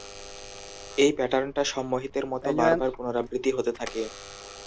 এই প্যাটার্নটা সম্মোহিতের মত বার বার পুনরাবৃত্তি হতে থাকে।